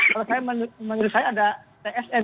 kalau menurut saya ada tsm